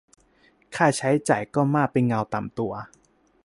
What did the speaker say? ค่าใช้จ่ายก็มากเป็นเงาตามตัว